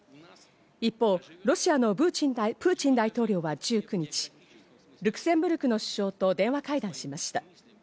一方、ロシアのプーチン大統領は１９日、ルクセンブルクの首相と電話会談しました。